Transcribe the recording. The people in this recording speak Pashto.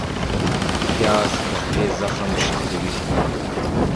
پیاز د خولې زخم ښه کوي